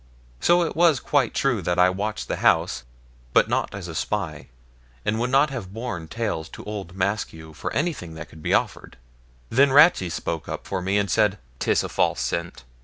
So it was quite true that I had watched the house, but not as a spy, and would not have borne tales to old Maskew for anything that could be offered. Then Ratsey spoke up for me and said ''Tis a false scent.